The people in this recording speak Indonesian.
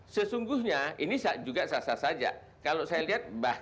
sesungguhnya ini juga bentuk ekspresi daripada ketidakkuasaan teman teman ini terhadap pemerintahan